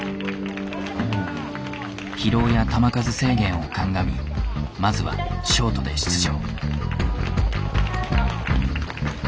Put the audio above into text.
疲労や球数制限を鑑みまずはショートで出場。